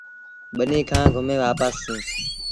ٻنيٚ کآݩ گھمي وآپس سيٚݩ۔